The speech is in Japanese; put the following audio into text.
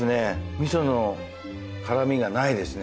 味噌の辛みがないですね